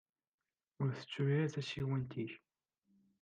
Ur ttettu ara tasiwant-ik.